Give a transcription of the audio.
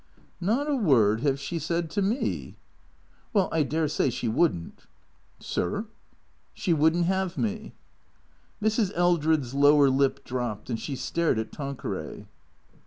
" Not a word 'ave she said to me." "AVell, I dare say she wouldn't." "Sir?" " She would n't have me." Mrs. Eldred's lower lip dropped, and she stared at Tan queray.